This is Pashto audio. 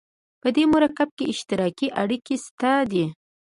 په دې مرکب کې اشتراکي اړیکه شته ده.